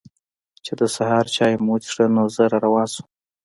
چې د سهار چای مو وڅښه نو زه را روان شوم.